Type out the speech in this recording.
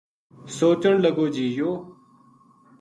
سوچن لگو جی یوہ